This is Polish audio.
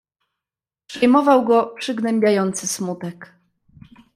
"Przejmował go przygnębiający smutek."